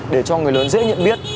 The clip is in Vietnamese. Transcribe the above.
để cho người lớn dễ nhận biết